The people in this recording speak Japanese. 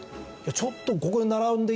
ちょっと。